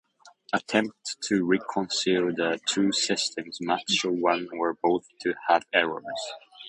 Attempts to reconcile the two systems must show one or both to have errors.